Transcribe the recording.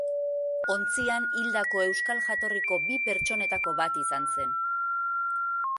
Ontzian hildako euskal jatorriko bi pertsonetako bat izan zen.